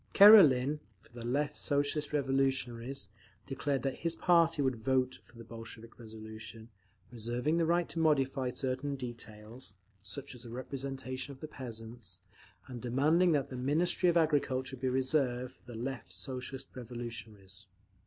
Karelin, for the Left Socialist Revolutionaries, declared that his party would vote for the Bolshevik resolution, reserving the right to modify certain details, such as the representation of the peasants, and demanding that the Ministry of Agriculture be reserved for the Left Socialist Revolutionaries.